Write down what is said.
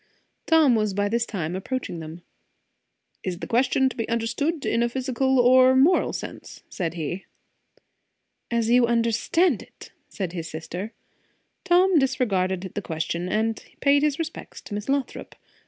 Tom was by this time approaching them. "Is the question to be understood in a physical or moral sense?" said he. "As you understand it!" said his sister. Tom disregarded the question, and paid his respects to Miss Lothrop.